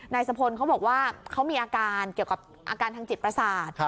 สะพลเขาบอกว่าเขามีอาการเกี่ยวกับอาการทางจิตประสาท